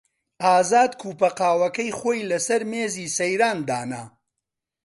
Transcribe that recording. ئازاد کووپە قاوەکەی خۆی لەسەر مێزی سەیران دانا.